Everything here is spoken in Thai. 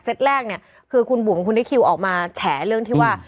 แรกเนี่ยคือคุณบุ๋มคุณนิคิวออกมาแฉเรื่องที่ว่า